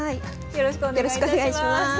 よろしくお願いします。